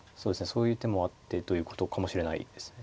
そういう手もあってということかもしれないです。